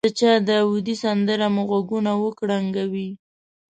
د چا داودي سندره مو غوږونه وکړنګوي.